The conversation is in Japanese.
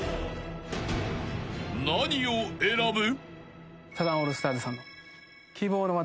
［何を選ぶ？］